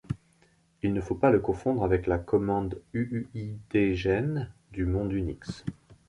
Il ne faut pas le confondre avec la commande uuidgen du monde Unix.